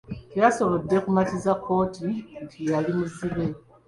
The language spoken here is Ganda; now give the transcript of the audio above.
Teyasobodde kumatiza kkooti nti yali muzibe.